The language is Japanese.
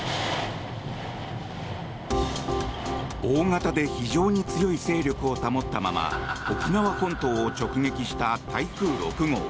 大型で非常に強い勢力を保ったまま沖縄本島を直撃した台風６号。